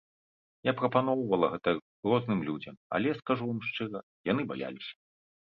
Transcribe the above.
Я прапаноўвала гэта розным людзям, але, скажу вам шчыра, яны баяліся.